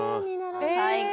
最高。